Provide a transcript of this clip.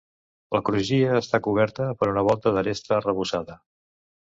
La crugia està coberta per una volta d'aresta arrebossada.